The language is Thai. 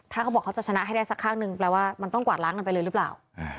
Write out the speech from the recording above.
ถ้าเขาบอกเขาจะชนะให้ได้สักข้างหนึ่งแปลว่ามันต้องกวาดล้างกันไปเลยหรือเปล่า